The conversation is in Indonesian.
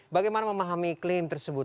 bagaimana memahami klaim tersebut